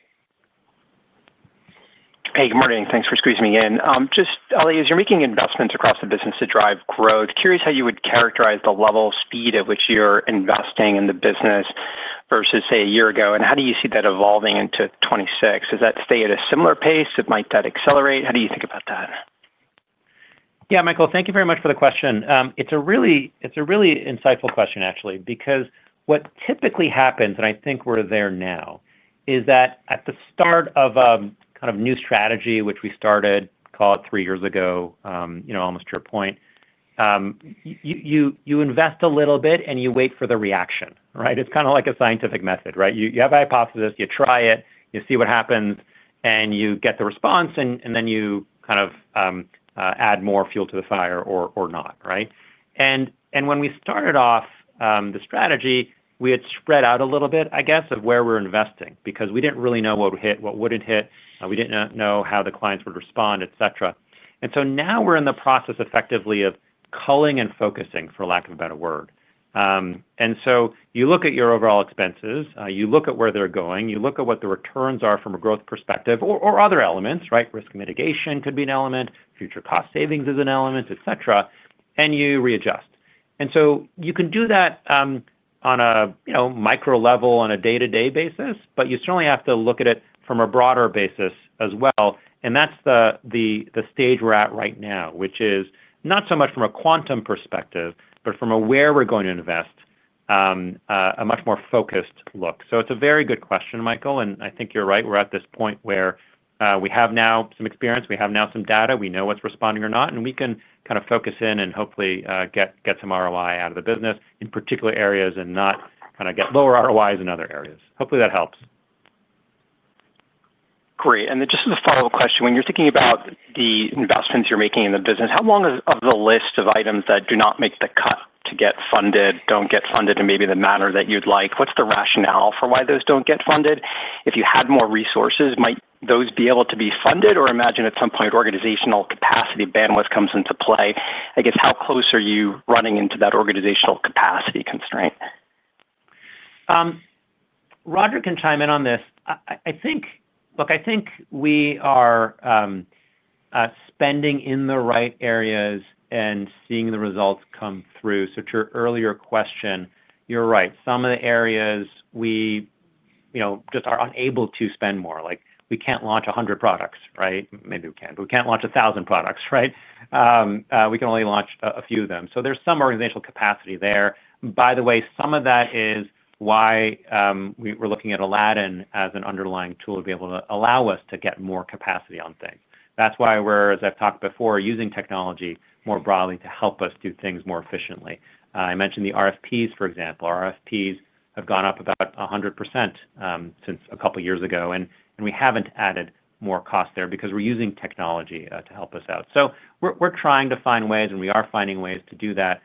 Hey, good morning. Thanks for squeezing me in. Just Ali, as you're making investments across the business to drive growth, curious how you would characterize the level of speed at which you're investing in the versus say a year ago, and how do you see that evolving into 2026? Does that stay at a similar pace? Might that accelerate how do you think about that? Yeah, Michael, thank you very much for the question. It's a really insightful question actually because what typically happens, and I think we're there now, is that at the start of a kind of new strategy, which we started, call it three years ago, you know, almost to your point. You invest a little bit, and you wait for the reaction. Right, it's kind of like a scientific method. Right. You have a hypothesis, you try it, you see what happens, and you get the response, then you kind of add more fuel to the fire or not. Right we started off the strategy. We had spread out a little bit I guess of where we're investing because we didn't really know what would hit, what wouldn't hit. We didn't know how the clients would respond, etc. Now we're in the process effectively of culling and focusing, for lack of a better word. You look at your overall expenses, you look at where they're going, you look at what the returns are from a growth perspective or other elements, right? Risk mitigation could be an element, future cost savings is an element, etc. You readjust. You can do that on a micro level on a day-to-day basis, but you certainly have to look at it from a broader basis as well. That's the stage we're at right now, which is not so much from a quantum perspective, but from a where we're going to invest a much more focused look. It's a very good question, Michael, and I think you're right. We're at this point where we have now some experience, we have now some data, we know what's responding or not, and we can kind of focus in and hopefully get some ROI out of the business in particular areas and not get lower ROIs in other areas. Hopefully that helps. Great. As a follow up question, when you're thinking about the investments you're making in the business, how long is the list of items that do not make the cut to get funded or don't get funded in maybe the manner that you'd like? What's the rationale for why those don't get funded? If you had more resources, might those be able to be funded? I imagine at some point organizational capacity bandwidth comes into play. How close are you running into that organizational capacity constraint? Roger can chime in on this. I think we are spending in the right areas and seeing the results come through. To your earlier question, you're right, some of the areas we just are unable to spend more. Like we can't launch 100 products, right? Maybe we can, but we can't launch 1,000 products, right? We can only launch a few of them. There's some organizational capacity. By the way, some of that is why we're looking at Aladdin as an underlying tool to be able to allow us to get more capacity on things. That's why, as I've talked before, we're using technology more broadly to help us do things more efficiently. I mentioned the RFPs, for example. RFPs have gone up about 100% since a couple years ago and we haven't added more cost there because we're using technology to help us out. We're trying to find ways and we are finding ways to do that.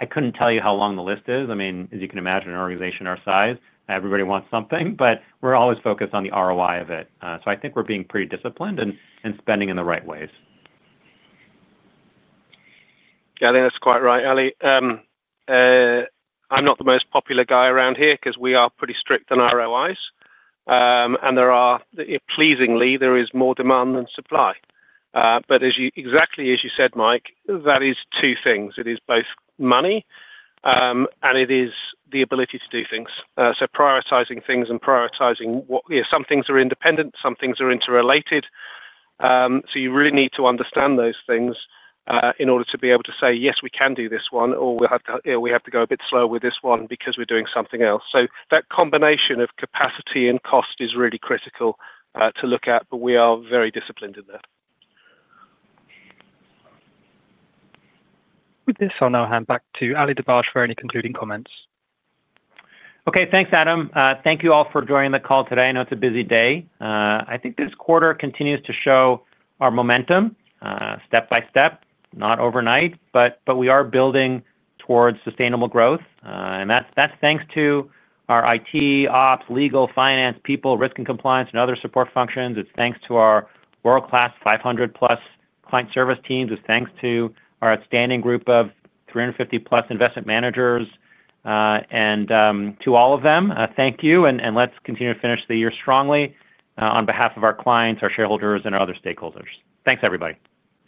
I couldn't tell you how long the list is. As you can imagine, an organization our size, everybody wants something, but we're always focused on the ROI of it. I think we're being pretty disciplined and spending in the right ways. Yeah, I think that's quite right, Ali. I'm not the most popular guy around here because we are pretty strict on ROIs, and pleasingly there is more demand than supply. Exactly as you said, Mike, that is two things. It is both money and it is the ability to do things. Prioritizing things and prioritizing some things are independent, some things are interrelated. You really need to understand those things in order to be able to say, yes, we can do this one, or we have to go a bit slower with this one because we're doing something else. That combination of capacity and cost is really critical to look at, but we are very disciplined in this. With this, I'll now hand back to Ali Dibadj for any concluding comments. Okay, thanks Adam. Thank you all for joining the call today. I know it's a busy day. I think this quarter continues to show our momentum step by step, not overnight, but we are building towards sustainable growth. That's thanks to our IT, Ops, Legal, Finance people, Risk and Compliance, and other support functions. It's thanks to our world-class 500+ client service teams. It's thanks to our outstanding group of 350+ investment managers, and to all of them, thank you. Let's continue to finish the year strongly on behalf of our clients, our shareholders, and our other stakeholders. Thanks everybody.